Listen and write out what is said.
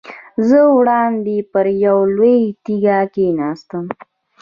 زه وړاندې پر یوه لویه تیږه کېناستم.